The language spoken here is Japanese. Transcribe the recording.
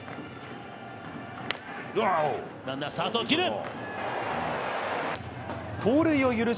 ランナー、スタートを切る。